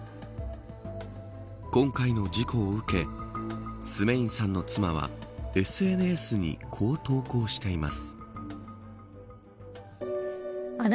今回の事故を受けスメインさんの妻はＳＮＳに、こう投稿しています。